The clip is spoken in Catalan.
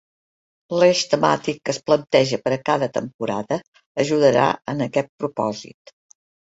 L’Eix temàtic que es planteja per a cada temporada ajudarà en aquest propòsit.